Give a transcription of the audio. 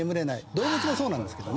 動物もそうなんですけどね。